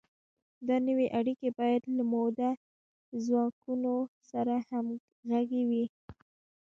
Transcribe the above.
دا نوې اړیکې باید له مؤلده ځواکونو سره همغږې وي.